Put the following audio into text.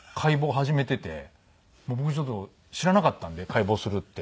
僕ちょっと知らなかったんで解剖するって。